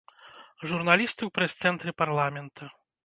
Журналісты ў прэс-цэнтры парламента.